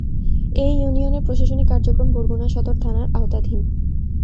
এ ইউনিয়নের প্রশাসনিক কার্যক্রম বরগুনা সদর থানার আওতাধীন।